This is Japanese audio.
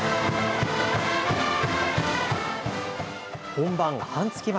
本番、半月前。